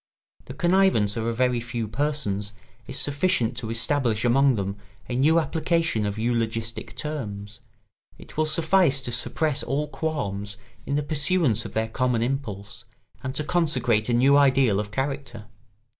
The connivance of a very few persons is sufficient to establish among them a new application of eulogistic terms; it will suffice to suppress all qualms in the pursuance of their common impulse and to consecrate a new ideal of character.